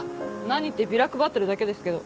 何ってビラ配ってるだけですけど。